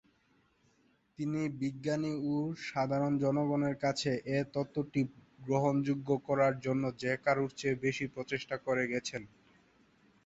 তিনি বিজ্ঞানী ও সাধারণ জনগণের কাছে এ তত্ত্বটি গ্রহণযোগ্য করার জন্য যে কারোর চেয়ে বেশি চেষ্টা করে গেছেন।